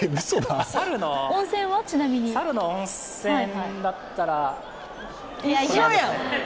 猿の温泉だったら一緒やん！